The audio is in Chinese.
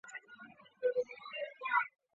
担任松发陶瓷有限公司总经理。